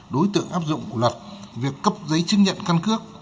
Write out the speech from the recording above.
đối tượng áp dụng của luật việc cấp giấy chứng nhận căn cước